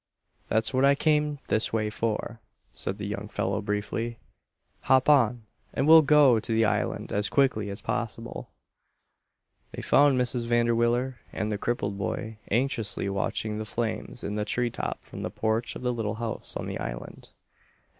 "That's what I came this way for," said the young fellow briefly. "Hop on and we'll go to the island as quickly as possible." They found Mrs. Vanderwiller and the crippled boy anxiously watching the flames in the tree top from the porch of the little house on the island.